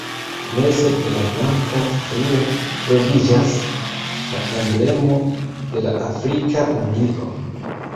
Meze de la blanka strio troviĝas la Emblemo de la Afrika Unio.